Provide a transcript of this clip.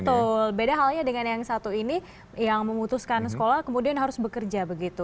betul beda halnya dengan yang satu ini yang memutuskan sekolah kemudian harus bekerja begitu